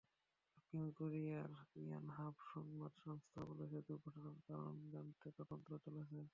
দক্ষিণ কোরিয়ার ইয়ানহাপ সংবাদ সংস্থা বলছে, দুর্ঘটনার কারণ জানতে তদন্ত চলছে।